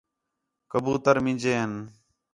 کبوتر مینجے ہین